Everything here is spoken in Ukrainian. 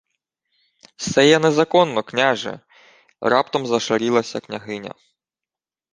— Се є незаконно, княже, — раптом зашарілася княгиня.